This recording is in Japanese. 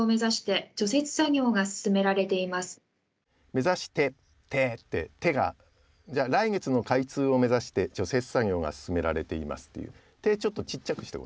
「目指して」って「て」が「来月の開通を目指して除雪作業が進められています。」っていう「て」